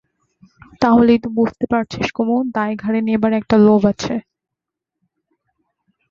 তা হলেই তো বুঝতে পারছিস কুমু, দায় ঘাড়ে নেবার একটা লোভ আছে।